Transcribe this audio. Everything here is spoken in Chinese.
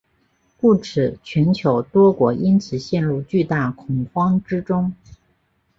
故此全球多国因此陷入巨大恐慌之中。